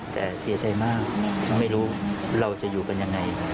แต่เสียใจมากไม่รู้เราจะอยู่กันยังไง